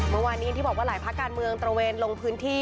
เมื่อวานนี้ที่บอกว่าหลายภาคการเมืองตระเวนลงพื้นที่